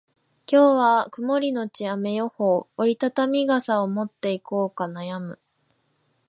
今日は曇りのち雨予報。折り畳み傘を持っていこうか悩む。